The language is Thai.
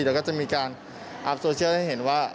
เดี๋ยวก็จะมีการอัพโซเชียลให้เห็นว่า